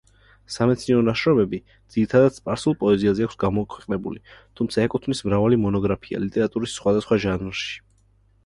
სამეცნიერო ნაშრომები ძირითადად სპარსულ პოეზიაზე აქვს გამოქვეყნებული, თუმცა ეკუთვნის მრავალი მონოგრაფია ლიტერატურის სხვადასხვა ჟანრში.